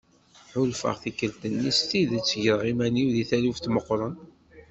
Ḥulfaɣ tikkelt-nni s tidet greɣ iman-iw di taluft meqqren.